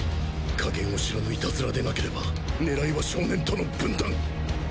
加減を知らぬイタズラでなければ狙いは少年との分断！